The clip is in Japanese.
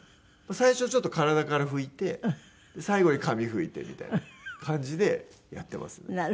最初ちょっと体から拭いて最後に髪拭いてみたいな感じでやってますね。